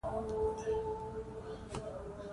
ازادي راډیو د ورزش د راتلونکې په اړه وړاندوینې کړې.